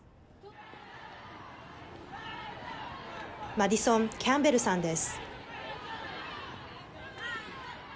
マディソン・キャンベルさんです。